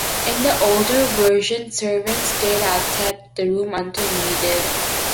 In the older version, servants stayed outside the room until needed.